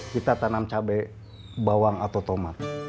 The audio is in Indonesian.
kita tanam cabai bawang atau tomat